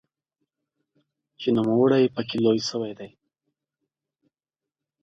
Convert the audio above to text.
چې نوموړی پکې لوی شوی دی.